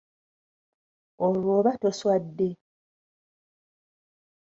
Olwo oba toswadde?